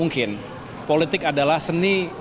yang jelas politik itu memang serba mungkin